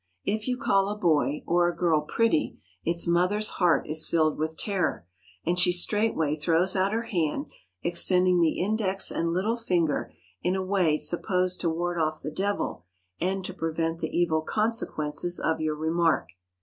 If you call a boy or a girl pretty its mother's heart is filled with terror, and she straightway throws out her hand, extending the index and little finger in a way supposed to ward off the devil and to prevent the evil consequences of your remark.